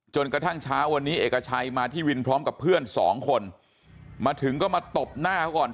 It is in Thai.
จนกระทั่งเช้าวันนี้เอกชัยมาที่วินพร้อมกับเพื่อน๒คน